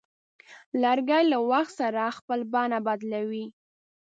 لرګی له وخت سره خپل بڼه بدلوي.